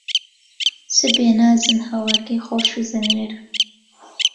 چ بێ نازن، هەوارگەی خۆش و زەنوێر